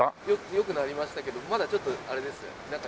良くなりましたけどまだちょっとあれですねなんか